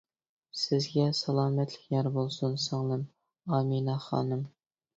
سىزگە سالامەتلىك يار بولسۇن، سىڭلىم ئامىنە خانىم.